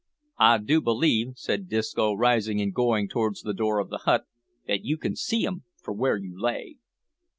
"I do believe," said Disco, rising and going towards the door of the hut "that you can see 'em from where you lay."